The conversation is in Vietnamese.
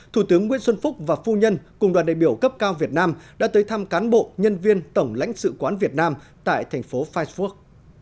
thủ tướng nguyễn xuân phúc và phu nhân cùng đoàn đại biểu cấp cao việt nam đã tới thăm cán bộ nhân viên tổng lãnh sự quán việt nam tại thành phố fifurt